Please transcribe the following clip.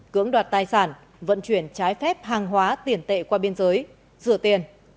cưỡng đoạt tài sản vận chuyển trái phép hàng hóa tiền tệ qua biên giới rửa tiền